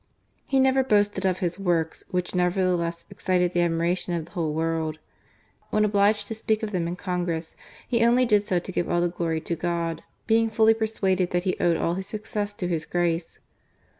He never boasted of his works, which neverthe less excited the admiration of the whole world. When obliged to speak of them in Congress, he only did so to give all the glory to God, being fully persuaded that he owed all his success to His grace.